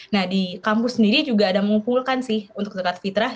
nah di kampus sendiri juga ada mengumpulkan sih untuk zakat fitrah